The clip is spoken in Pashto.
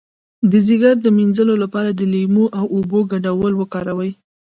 د ځیګر د مینځلو لپاره د لیمو او اوبو ګډول وکاروئ